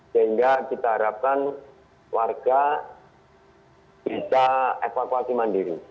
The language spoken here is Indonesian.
sehingga kita harapkan warga bisa evakuasi mandiri